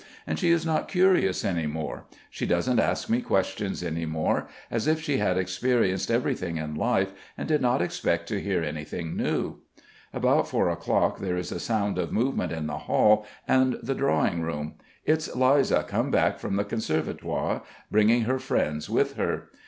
And she is not curious any more. She doesn't ask me questions any more, as if she had experienced everything in life and did not expect to hear anything new. About four o'clock there is a sound of movement in the hall and the drawing room. It's Liza come back from the Conservatoire, bringing her friends with her.